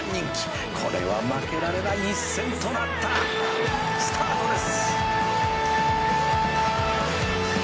「これは負けられない一戦となった」「スタートです！」